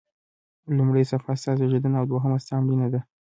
لومړۍ صفحه ستا زیږېدنه او دوهمه ستا مړینه ده.